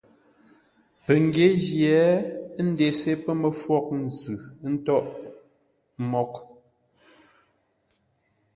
Pəngyě jye, ə́ ndesé pə́ məfwóghʼ nzʉ̂ ńtôghʼ mǒghʼ ə́.